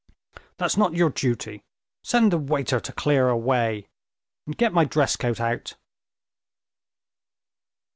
"That's not your duty; send the waiter to clear away, and get my dress coat out."